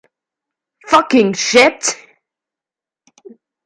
Fucking shit!